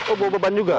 oh bawa beban juga